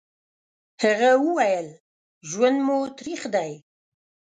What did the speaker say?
هغه وويل: ژوند مو تريخ دی.